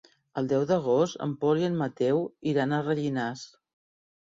El deu d'agost en Pol i en Mateu iran a Rellinars.